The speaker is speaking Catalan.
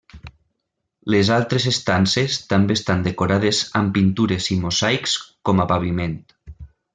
Les altres estances, també estan decorades amb pintures i mosaics com a paviment.